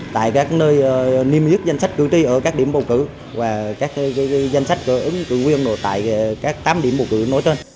tại các nơi niêm yết danh sách cử tri ở các điểm bầu cử và các danh sách ứng cử viên tại các tám điểm bầu cử nối trên